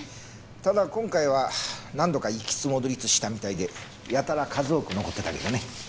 ただ今回は何度か行きつ戻りつしたみたいでやたら数多く残ってたけどね。